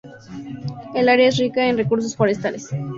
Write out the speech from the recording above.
El área es rica en recursos forestales.